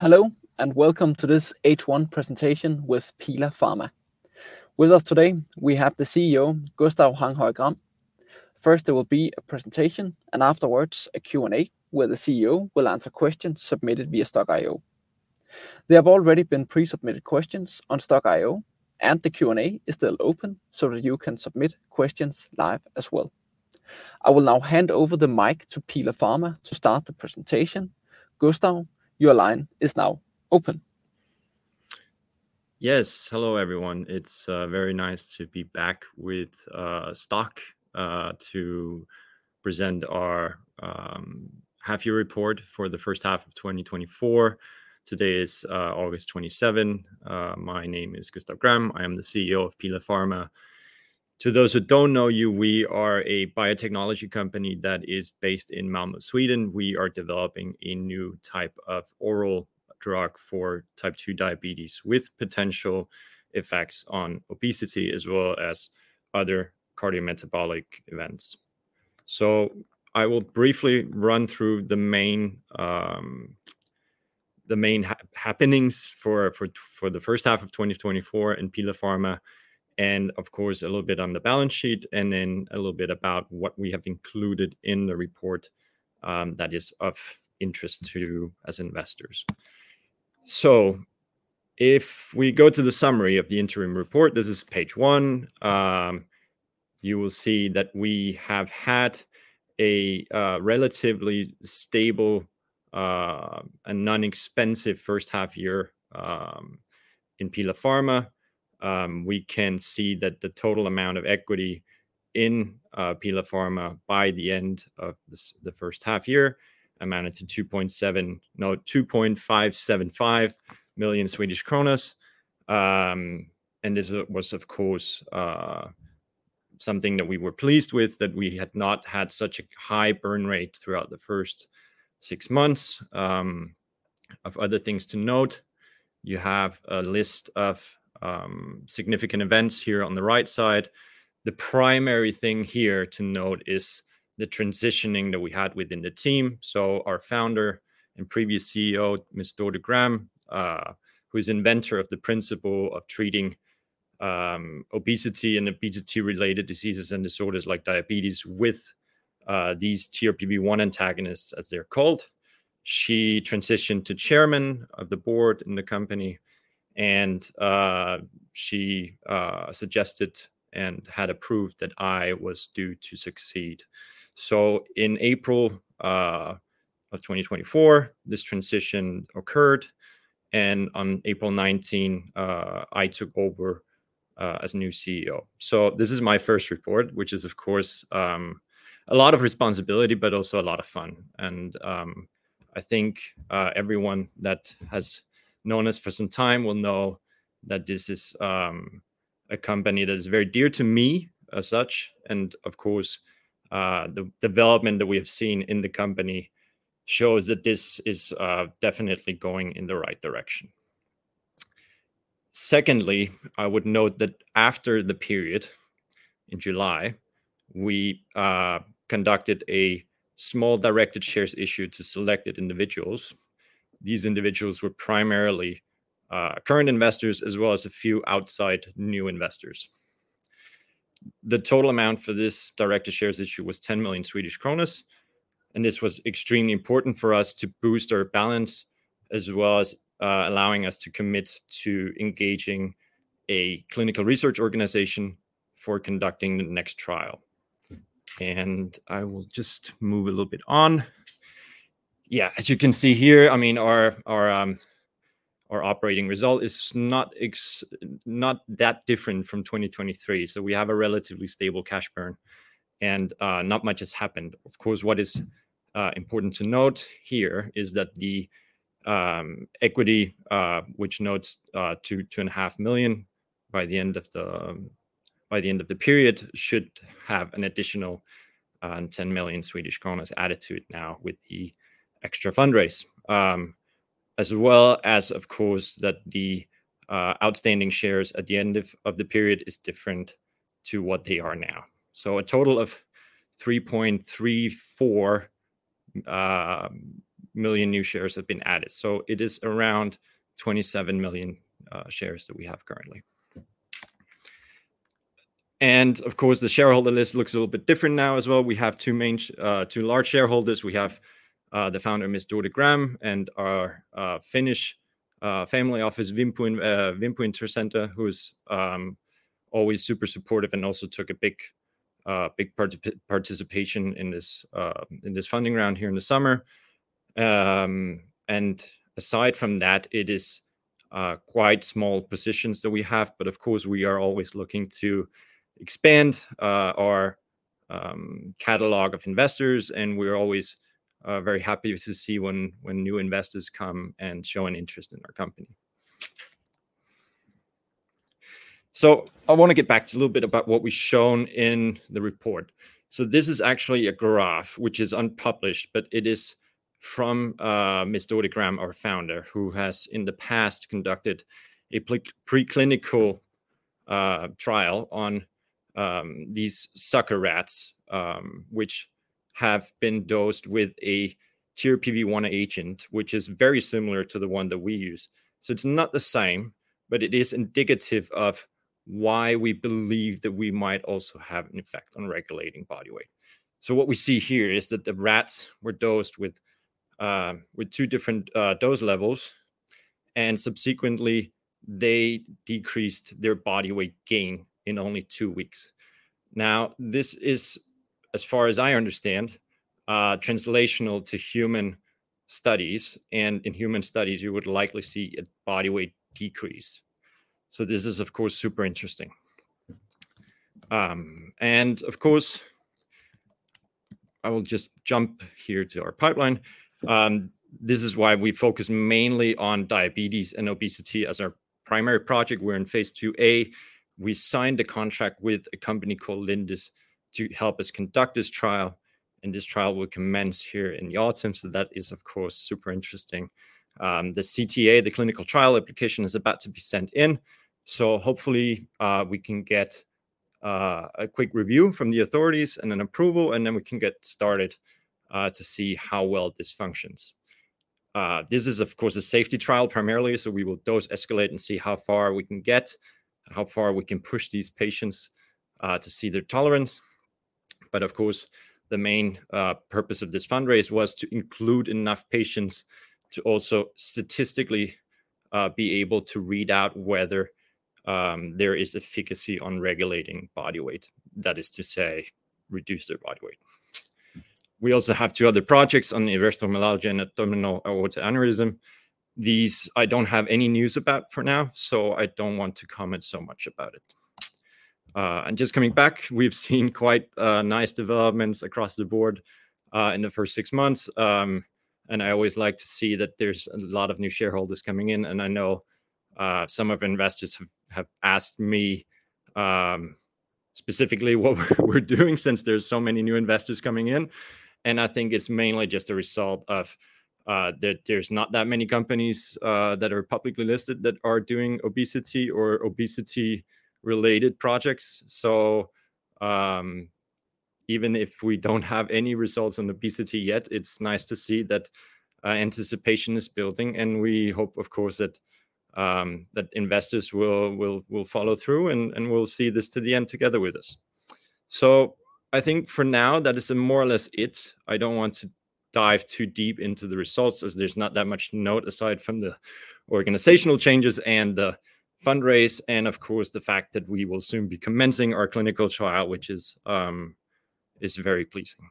Hello, and welcome to this H1 presentation with Pila Pharma. With us today, we have the CEO, Gustav Hanghøj Gram. First, there will be a presentation, and afterwards, a Q&A, where the CEO will answer questions submitted via Stokk.io. There have already been pre-submitted questions on Stokk.io, and the Q&A is still open so that you can submit questions live as well. I will now hand over the mic to Pila Pharma to start the presentation. Gustav, your line is now open. Yes. Hello, everyone. It's very nice to be back with Stokk.io to present our half-year report for the first half of 2024. Today is August 27 My name is Gustav Gram. I am the CEO of Pila Pharma. To those who don't know us, we are a biotechnology company that is based in Malmö, Sweden. We are developing a new type of oral drug for type 2 diabetes, with potential effects on obesity as well as other cardiometabolic events. So I will briefly run through the main happenings for the first half of 2024 in Pila Pharma, and of course, a little bit on the balance sheet, and then a little bit about what we have included in the report that is of interest to you as investors. So if we go to the summary of the interim report, this is page one. You will see that we have had a relatively stable and non-expensive first half year in Pila Pharma. We can see that the total amount of equity in Pila Pharma by the end of this, the first half year amounted to 2.7... no, 2.575 million Swedish kronor. And this was, of course, something that we were pleased with, that we had not had such a high burn rate throughout the first six months. Of other things to note, you have a list of significant events here on the right side. The primary thing here to note is the transitioning that we had within the team. So our founder and previous CEO, Miss Dorte Gram, who is inventor of the principle of treating obesity and obesity-related diseases and disorders like diabetes with these TRPV1 antagonists, as they're called, she transitioned to Chairman of the Board in the company, and she suggested and had approved that I was due to succeed. So in April of 2024, this transition occurred, and on April 19, I took over as new CEO. So this is my first report, which is, of course, a lot of responsibility, but also a lot of fun. I think everyone that has known us for some time will know that this is a company that is very dear to me as such, and of course the development that we have seen in the company shows that this is definitely going in the right direction. Secondly, I would note that after the period in July, we conducted a small directed shares issue to selected individuals. These individuals were primarily current investors, as well as a few outside new investors. The total amount for this directed shares issue was 10 million Swedish kronor, and this was extremely important for us to boost our balance, as well as allowing us to commit to engaging a clinical research organization for conducting the next trial. And I will just move a little bit on. Yeah, as you can see here, I mean, our operating result is not that different from 2023, so we have a relatively stable cash burn, and not much has happened. Of course, what is important to note here is that the equity which notes 2.5 million by the end of the period should have an additional 10 million Swedish kronor added to it now with the extra fundraise. As well as, of course, that the outstanding shares at the end of the period is different to what they are now. So a total of 3.34 million new shares have been added. So it is around 27 million shares that we have currently. Of course, the shareholder list looks a little bit different now as well. We have two main, two large shareholders. We have the founder, Miss Dorte Gram, and our Finnish family office, Vimpu Intressenter, who is always super supportive and also took a big participation in this funding round here in the summer. Aside from that, it is quite small positions that we have, but of course, we are always looking to expand our catalog of investors, and we're always very happy to see when new investors come and show an interest in our company. So I want to get back to a little bit about what we've shown in the report. This is actually a graph which is unpublished, but it is from Dorte Gram, our founder, who has in the past conducted a preclinical trial on these Zucker rats, which have been dosed with a TRPV1 agent, which is very similar to the one that we use. It's not the same, but it is indicative of why we believe that we might also have an effect on regulating body weight. What we see here is that the rats were dosed with two different dose levels, and subsequently they decreased their body weight gain in only two weeks. Now, this is, as far as I understand, translational to human studies, and in human studies you would likely see a body weight decrease. This is of course super interesting. Of course, I will just jump here to our pipeline. This is why we focus mainly on diabetes and obesity as our primary project. We're in Phase 2a. We signed a contract with a company called Lindus to help us conduct this trial, and this trial will commence here in the autumn, so that is, of course, super interesting. The CTA, the clinical trial application, is about to be sent in, so hopefully, we can get a quick review from the authorities and an approval, and then we can get started to see how well this functions. This is, of course, a safety trial primarily, so we will dose, escalate, and see how far we can get, and how far we can push these patients to see their tolerance. But of course, the main purpose of this fundraise was to include enough patients to also statistically be able to read out whether there is efficacy on regulating body weight. That is to say, reduce their body weight. We also have two other projects on the erythromelalgia and abdominal aortic aneurysm. These I don't have any news about for now, so I don't want to comment so much about it, and just coming back, we've seen quite nice developments across the board in the first six months, and I always like to see that there's a lot of new shareholders coming in, and I know some of investors have asked me specifically what we're doing since there's so many new investors coming in. And I think it's mainly just a result of that there's not that many companies that are publicly listed that are doing obesity or obesity-related projects. So even if we don't have any results on obesity yet, it's nice to see that anticipation is building, and we hope, of course, that that investors will follow through, and will see this to the end together with us. So I think for now, that is more or less it. I don't want to dive too deep into the results, as there's not that much to note, aside from the organizational changes and the fundraise, and of course, the fact that we will soon be commencing our clinical trial, which is very pleasing.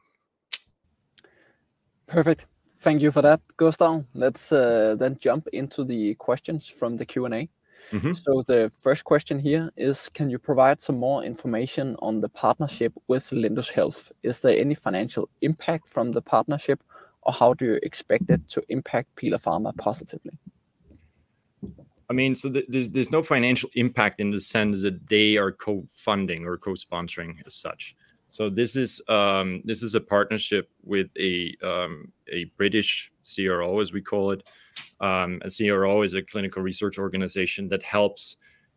Perfect. Thank you for that, Gustav. Let's then jump into the questions from the Q&A. Mm-hmm. So the first question here is: Can you provide some more information on the partnership with Lindus Health? Is there any financial impact from the partnership, or how do you expect it to impact Pila Pharma positively? I mean, so there, there's no financial impact in the sense that they are co-funding or co-sponsoring as such. So this is a partnership with a British CRO, as we call it. A CRO is a clinical research organization that helps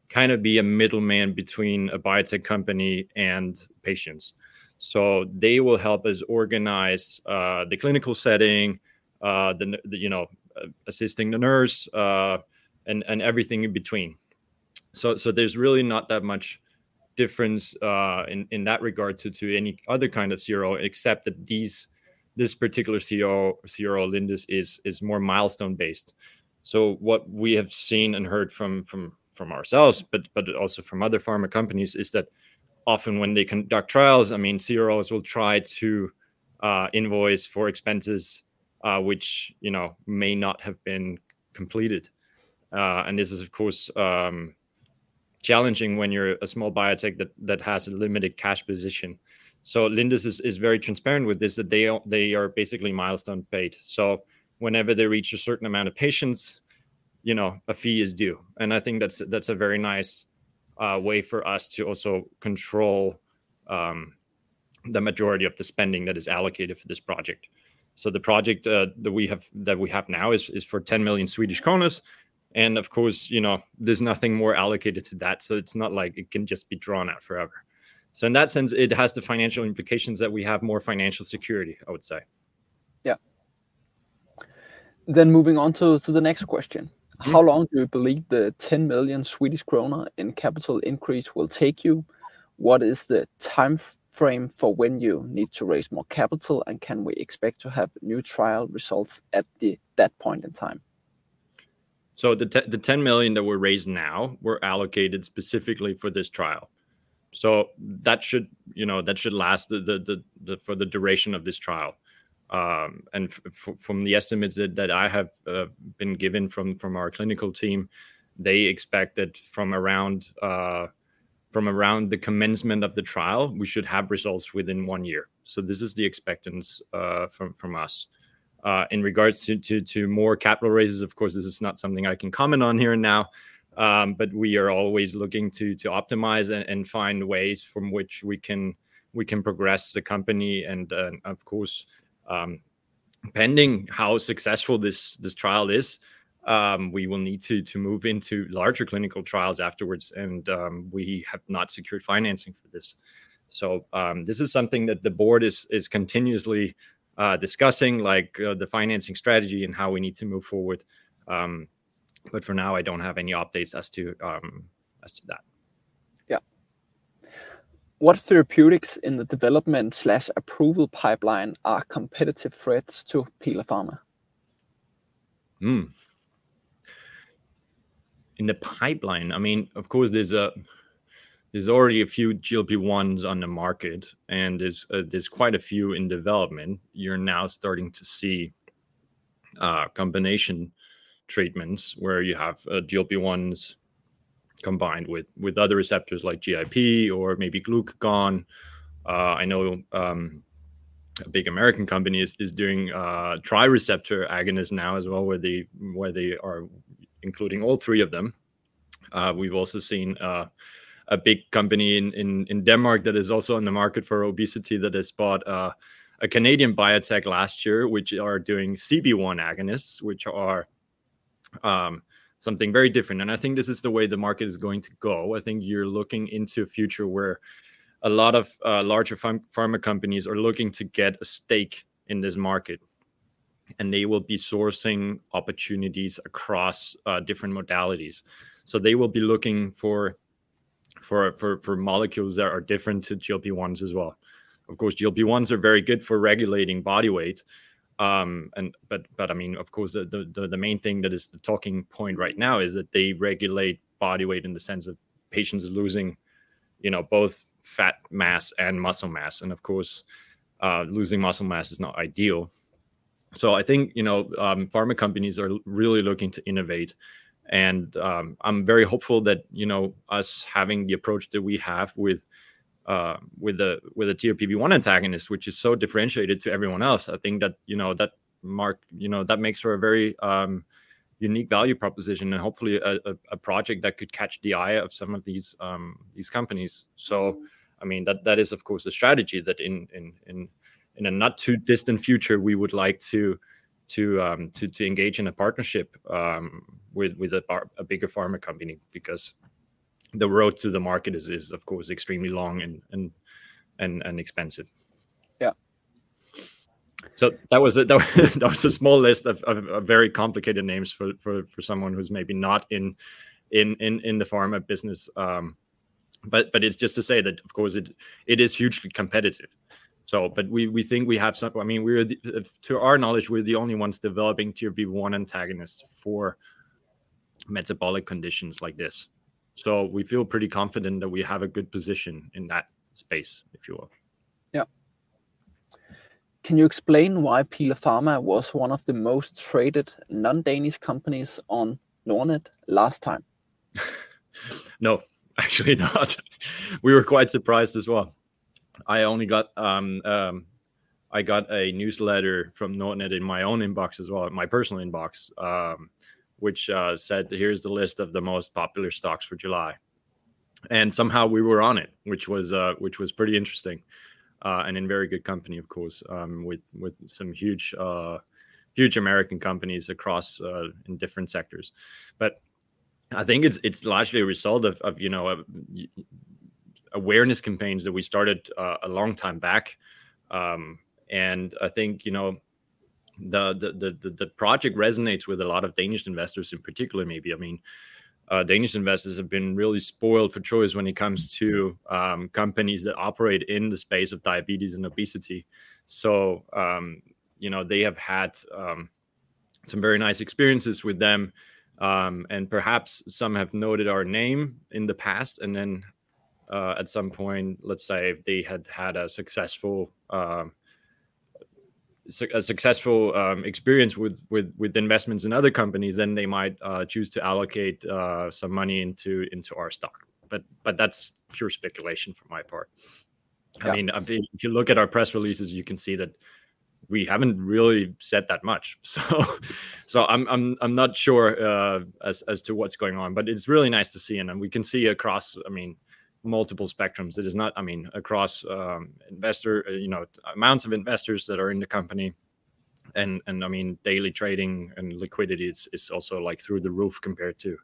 kind of be a middleman between a biotech company and patients. So they will help us organize the clinical setting, you know, assisting the nurse, and everything in between. So there's really not that much difference in that regard to any other kind of CRO, except that this particular CRO, Lindus, is more milestone-based. So what we have seen and heard from ourselves, but also from other pharma companies, is that often when they conduct trials, I mean, CROs will try to invoice for expenses, which, you know, may not have been completed. And this is, of course, challenging when you're a small biotech that has a limited cash position. So Lindus is very transparent with this, that they are basically milestone-paid. So whenever they reach a certain amount of patients, you know, a fee is due, and I think that's a very nice way for us to also control the majority of the spending that is allocated for this project. So the project that we have now is for 10 million Swedish kronor, and of course, you know, there's nothing more allocated to that, so it's not like it can just be drawn out forever. So in that sense, it has the financial implications that we have more financial security, I would say. Yeah. Then moving on to the next question. Mm-hmm. How long do you believe the 10 million Swedish kronor in capital increase will take you? What is the time frame for when you need to raise more capital, and can we expect to have new trial results at that point in time? So the 10 million that were raised now were allocated specifically for this trial. So that should, you know, that should last for the duration of this trial. And from the estimates that I have been given from our clinical team, they expect that from around the commencement of the trial, we should have results within one year. So this is the expectancy from us. In regards to more capital raises, of course, this is not something I can comment on here and now, but we are always looking to optimize and find ways from which we can progress the company, and of course, if... Pending how successful this trial is, we will need to move into larger clinical trials afterwards, and we have not secured financing for this, so this is something that the board is continuously discussing, like the financing strategy and how we need to move forward, but for now, I don't have any updates as to that. Yeah. What therapeutics in the development/approval pipeline are competitive threats to Pila Pharma? In the pipeline, I mean, of course, there's already a few GLP-1s on the market, and there's quite a few in development. You're now starting to see combination treatments where you have GLP-1s combined with other receptors like GIP or maybe glucagon. I know a big American company is doing tri-receptor agonist now as well, where they are including all three of them. We've also seen a big company in Denmark that is also in the market for obesity, that has bought a Canadian biotech last year, which are doing CB1 agonists, which are something very different, and I think this is the way the market is going to go. I think you're looking into a future where a lot of larger pharma companies are looking to get a stake in this market, and they will be sourcing opportunities across different modalities, so they will be looking for molecules that are different to GLP-1s as well. Of course, GLP-1s are very good for regulating body weight. And I mean, of course, the main thing that is the talking point right now is that they regulate body weight in the sense of patients losing, you know, both fat mass and muscle mass, and of course, losing muscle mass is not ideal. I think, you know, pharma companies are really looking to innovate. I'm very hopeful that, you know, us having the approach that we have with a TRPV1 antagonist, which is so differentiated to everyone else, I think that, you know, that makes for a very unique value proposition, and hopefully a project that could catch the eye of some of these companies. I mean, that is, of course, the strategy, that in a not-too-distant future, we would like to engage in a partnership with a bigger pharma company, because the road to the market is, of course, extremely long and expensive. Yeah. So that was a small list of very complicated names for someone who's maybe not in the pharma business. But it's just to say that, of course, it is hugely competitive. So, but we think we have some. I mean, to our knowledge, we're the only ones developing TRPV1 antagonists for metabolic conditions like this. So we feel pretty confident that we have a good position in that space, if you will. Yeah. Can you explain why Pila Pharma was one of the most traded non-Danish companies on Nordnet last time? No, actually not. We were quite surprised as well. I only got a newsletter from Nordnet in my own inbox as well, my personal inbox, which said, "Here's the list of the most popular stocks for July." And somehow we were on it, which was pretty interesting, and in very good company, of course, with some huge American companies across in different sectors. But I think it's largely a result of, you know, awareness campaigns that we started a long time back. And I think, you know, the project resonates with a lot of Danish investors in particular, maybe. I mean, Danish investors have been really spoiled for choice when it comes to companies that operate in the space of diabetes and obesity. You know, they have had some very nice experiences with them. And perhaps some have noted our name in the past, and then at some point, let's say, if they had had a successful experience with investments in other companies, then they might choose to allocate some money into our stock. But that's pure speculation for my part. Yeah. I mean, if you look at our press releases, you can see that we haven't really said that much, so I'm not sure as to what's going on, but it's really nice to see. We can see across, I mean, multiple spectrums. I mean, across investor, you know, amounts of investors that are in the company, and I mean, daily trading and liquidity is also, like, through the roof compared to,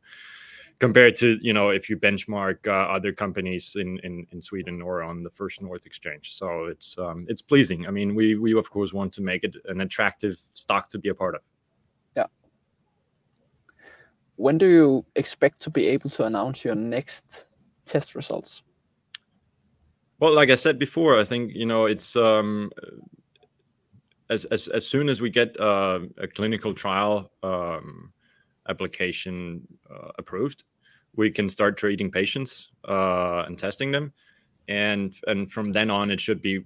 you know, if you benchmark other companies in Sweden or on the First North exchange. So it's pleasing. I mean, we of course want to make it an attractive stock to be a part of. Yeah. When do you expect to be able to announce your next test results? Like I said before, I think, you know, it's as soon as we get a clinical trial application approved, we can start treating patients and testing them, and from then on, it should be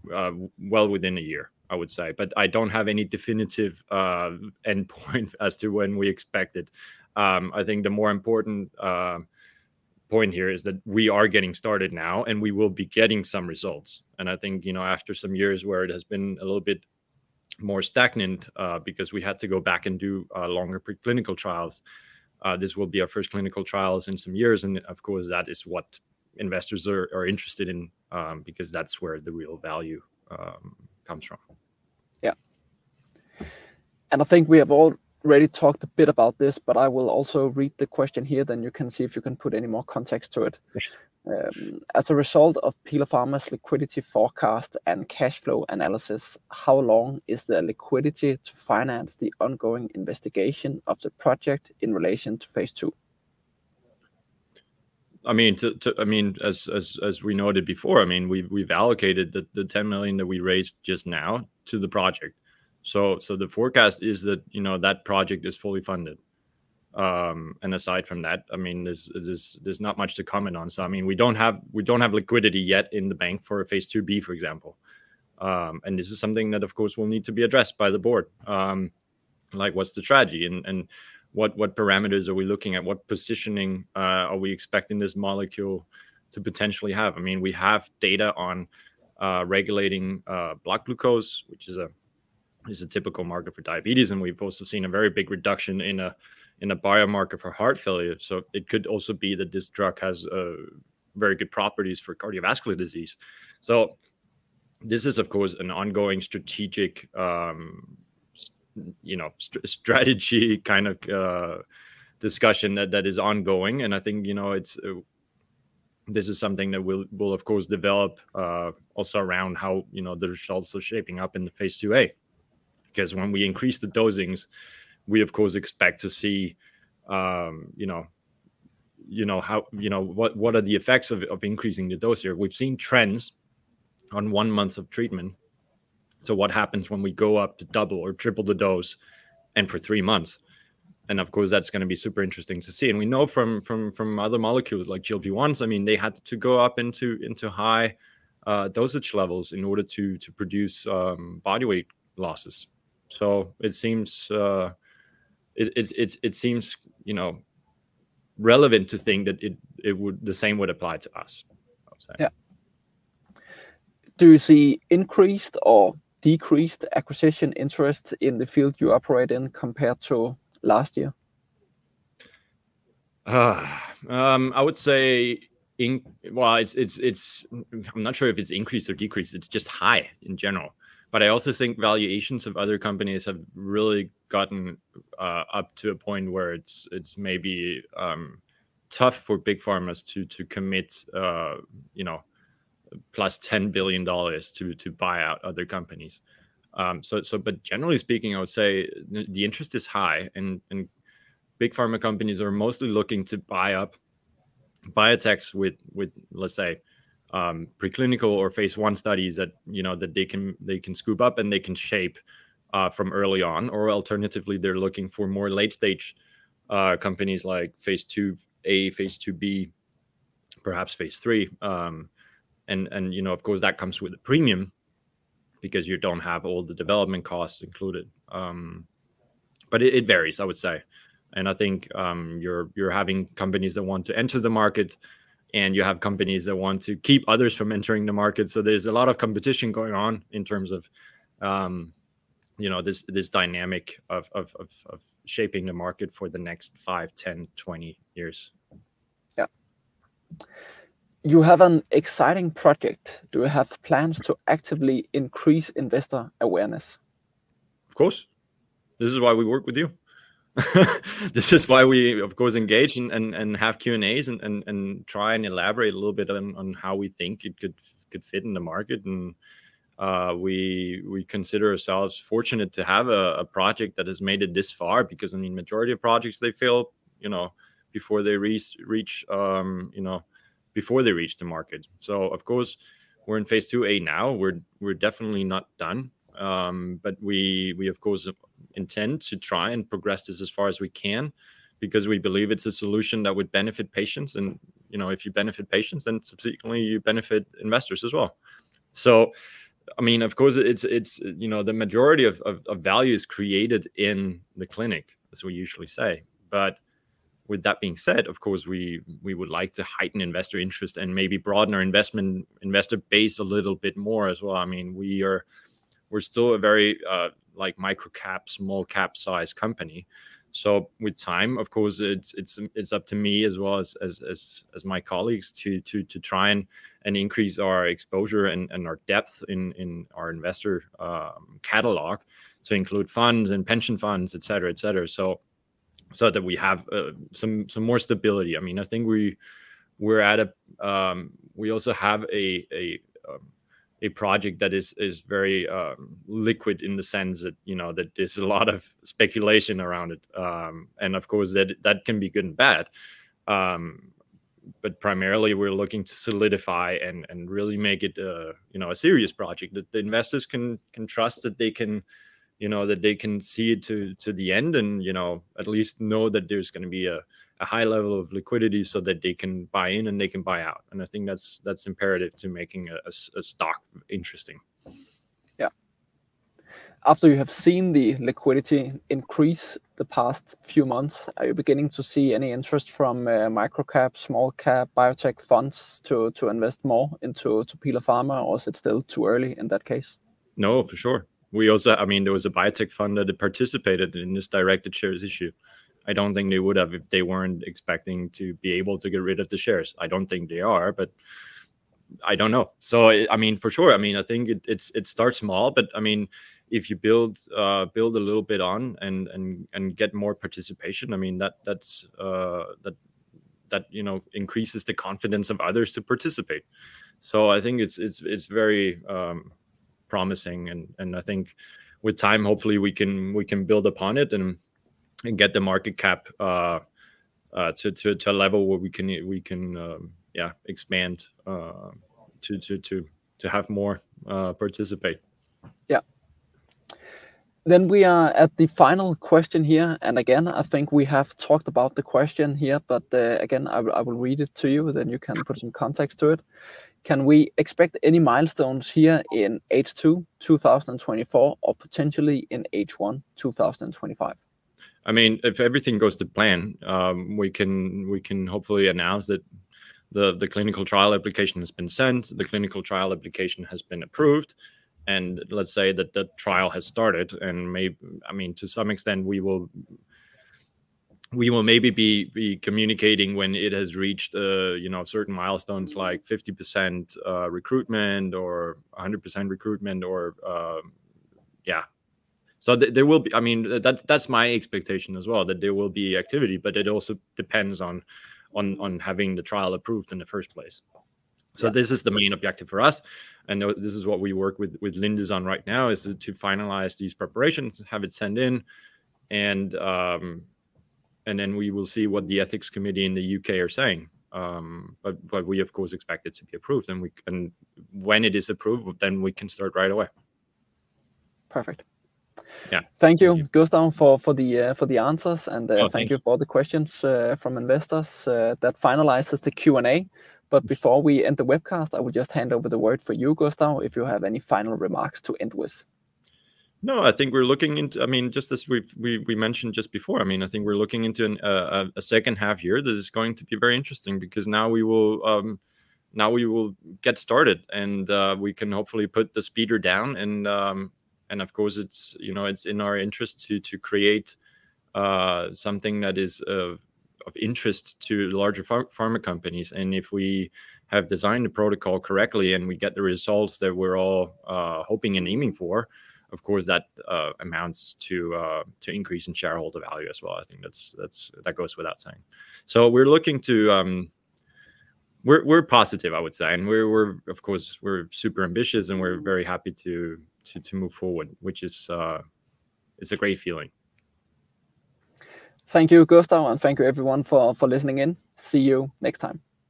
well within a year, I would say. But I don't have any definitive endpoint as to when we expect it. I think the more important point here is that we are getting started now, and we will be getting some results, and I think, you know, after some years where it has been a little bit more stagnant, because we had to go back and do longer preclinical trials, this will be our first clinical trials in some years, and of course, that is what-...Investors are interested in, because that's where the real value comes from. Yeah. And I think we have already talked a bit about this, but I will also read the question here, then you can see if you can put any more context to it. Sure. As a result of Pila Pharma's liquidity forecast and cash flow analysis, how long is the liquidity to finance the ongoing investigation of the project in relation to phase two? I mean, as we noted before, I mean, we've allocated the 10 million that we raised just now to the project, so the forecast is that, you know, that project is fully funded, and aside from that, I mean, there's not much to comment on, so I mean, we don't have liquidity yet in the bank for a phase 2b, for example, and this is something that, of course, will need to be addressed by the board. Like, what's the strategy, and what parameters are we looking at? What positioning are we expecting this molecule to potentially have? I mean, we have data on regulating blood glucose, which is a typical market for diabetes, and we've also seen a very big reduction in a biomarker for heart failure. So it could also be that this drug has very good properties for cardiovascular disease. So this is, of course, an ongoing strategic kind of discussion that is ongoing. And I think, you know, this is something that we'll of course develop also around how, you know, the results are shaping up in the phase 2a. Because when we increase the dosings, we of course expect to see, you know, what are the effects of increasing the dose here? We've seen trends on one month of treatment. So what happens when we go up to double or triple the dose, and for three months? And of course, that's gonna be super interesting to see. And we know from other molecules like GLP-1s, I mean, they had to go up into high dosage levels in order to produce body weight losses. So it seems, you know, relevant to think that the same would apply to us, I would say. Yeah. Do you see increased or decreased acquisition interest in the field you operate in compared to last year? I would say I'm not sure if it's increased or decreased, it's just high in general. But I also think valuations of other companies have really gotten up to a point where it's maybe tough for big pharmas to commit, you know, plus $10 billion to buy out other companies. But generally speaking, I would say the interest is high, and big pharma companies are mostly looking to buy up biotechs with, let's say, preclinical or Phase 1 studies that, you know, that they can scoop up and they can shape from early on, or alternatively, they're looking for more late-stage companies like Phase 2b, Phase 2b, perhaps Phase 3. You know, of course, that comes with a premium because you don't have all the development costs included. It varies, I would say. I think you're having companies that want to enter the market, and you have companies that want to keep others from entering the market. There's a lot of competition going on in terms of, you know, this dynamic of shaping the market for the next five, 10, 20 years. Yeah. You have an exciting project. Do you have plans to actively increase investor awareness? Of course. This is why we work with you. This is why we, of course, engage and have Q&As and try and elaborate a little bit on how we think it could fit in the market. And we consider ourselves fortunate to have a project that has made it this far, because, I mean, majority of projects, they fail, you know, before they reach the market. So of course, we're in phase 2a now. We're definitely not done, but we of course intend to try and progress this as far as we can because we believe it's a solution that would benefit patients, and, you know, if you benefit patients, then subsequently you benefit investors as well. So, I mean, of course, it's... You know, the majority of value is created in the clinic, as we usually say. But with that being said, of course, we would like to heighten investor interest and maybe broaden our investor base a little bit more as well. I mean, we're still a very like micro-cap, small-cap-sized company. So with time, of course, it's up to me as well as my colleagues to try and increase our exposure and our depth in our investor catalog, to include funds and pension funds, et cetera, so that we have some more stability. I mean, I think we're at a... We also have a project that is very liquid in the sense that, you know, that there's a lot of speculation around it, and of course, that can be good and bad. But primarily, we're looking to solidify and really make it, you know, a serious project that the investors can trust that they can, you know, see it to the end and, you know, at least know that there's gonna be a high level of liquidity so that they can buy in and they can buy out. And I think that's imperative to making a stock interesting. Yeah. After you have seen the liquidity increase the past few months, are you beginning to see any interest from, micro-cap, small-cap biotech funds to invest more into Pila Pharma, or is it still too early in that case?... No, for sure. We also, I mean, there was a biotech fund that had participated in this directed shares issue. I don't think they would have if they weren't expecting to be able to get rid of the shares. I don't think they are, but I don't know. So, I mean, for sure, I mean, I think it starts small, but, I mean, if you build a little bit on and get more participation, I mean, that that's you know increases the confidence of others to participate. So I think it's very promising, and I think with time, hopefully we can build upon it and get the market cap to a level where we can expand to have more participate. Yeah. Then we are at the final question here, and again, I think we have talked about the question here, but, again, I will read it to you, then you can put some context to it. Can we expect any milestones here in H2, 2024, or potentially in H1, 2025? I mean, if everything goes to plan, we can hopefully announce that the clinical trial application has been sent, the clinical trial application has been approved, and let's say that the trial has started. I mean, to some extent, we will maybe be communicating when it has reached, you know, certain milestones, like 50% recruitment or 100% recruitment or, yeah. So there will be activity. I mean, that's my expectation as well, that there will be activity, but it also depends on having the trial approved in the first place. Yeah. This is the main objective for us, and now this is what we work with, with Lindus on right now, is to finalize these preparations, have it sent in, and then we will see what the ethics committee in the U.K. are saying. But we, of course, expect it to be approved, and when it is approved, then we can start right away. Perfect. Yeah. Thank you, Gustav, for the answers- Oh, thank you. Thank you for all the questions from investors. That finalizes the Q&A, but before we end the webcast, I will just hand over the word for you, Gustav, if you have any final remarks to end with. No, I think we're looking into... I mean, just as we've mentioned just before, I mean, I think we're looking into a second half year that is going to be very interesting because now we will get started, and we can hopefully put the pedal down. And of course, it's, you know, it's in our interest to create something that is of interest to larger pharma companies. And if we have designed the protocol correctly, and we get the results that we're all hoping and aiming for, of course, that amounts to an increase in shareholder value as well. I think that's that goes without saying. So we're looking to. We're positive, I would say, and, of course, we're super ambitious, and we're very happy to move forward, which is a great feeling. Thank you, Gustav, and thank you everyone for listening in. See you next time.